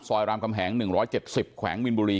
รามคำแหง๑๗๐แขวงมินบุรี